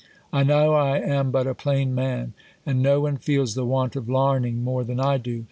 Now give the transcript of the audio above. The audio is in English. I know I am but a plain man ; and no one feels the want of larning more than I do.